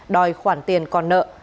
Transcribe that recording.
đòi khoản tiền còn nợ